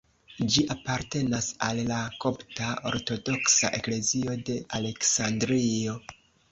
Ĝi apartenas al la Kopta Ortodoksa Eklezio de Aleksandrio.